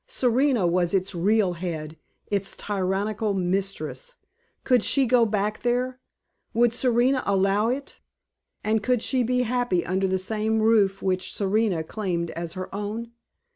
Serena was its real head, its tyrannical mistress. Could she go back there? Would Serena allow it? And could she be happy under the same roof which Serena claimed as her own?